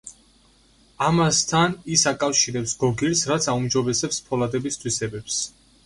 ამასთან, ის აკავშირებს გოგირდს, რაც აუმჯობესებს ფოლადების თვისებებს.